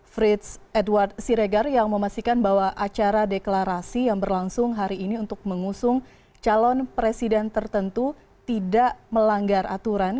frits edward siregar yang memastikan bahwa acara deklarasi yang berlangsung hari ini untuk mengusung calon presiden tertentu tidak melanggar aturan